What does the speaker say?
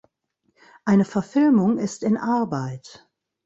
Eine Verfilmung ist in Arbeit.